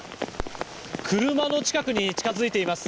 車の近くに近づいています。